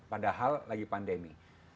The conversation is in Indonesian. padahal lagi pandemi